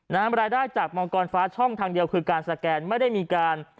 รายได้จากมังกรฟ้าช่องทางเดียวคือการสแกนไม่ได้มีการ